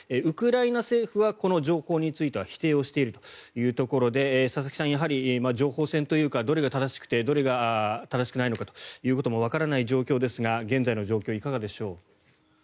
ウクライナ政府はこの情報については否定しているというところで佐々木さんやはり情報戦というかどれが正しくてどれが正しくないのかということもわからない状況ですが現在の状況、いかがでしょう。